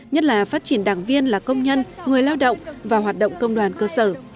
nhất là phát triển đảng viên là công nhân người lao động và hoạt động công đoàn cơ sở